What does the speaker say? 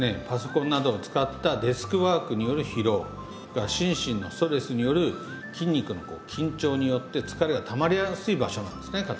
パソコンなどを使ったデスクワークによる疲労が心身のストレスによる筋肉の緊張によって疲れがたまりやすい場所なんですね